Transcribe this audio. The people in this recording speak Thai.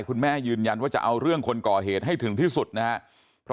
ยืนยันว่าจะเอาเรื่องคนก่อเหตุให้ถึงที่สุดนะครับ